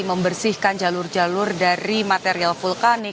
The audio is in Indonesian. membersihkan jalur jalur dari material vulkanik